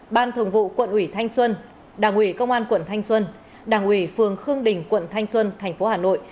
ban thường vụ quận ủy thanh xuân đảng ủy công an quận thanh xuân đảng ủy phường khương đình quận thanh xuân thành phố hà nội